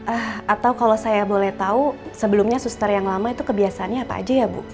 atau kalau saya boleh tahu sebelumnya suster yang lama itu kebiasaannya apa aja ya bu